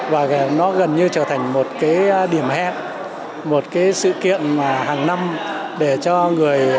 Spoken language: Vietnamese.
và nó gần như trở thành một cái điểm hẹn một cái sự kiện mà hàng năm để cho người